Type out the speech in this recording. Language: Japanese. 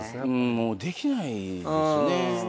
もうできないですね。